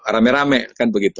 rame rame kan begitu